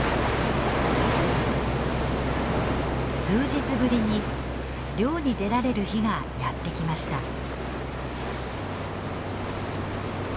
数日ぶりに漁に出られる日がやってきました。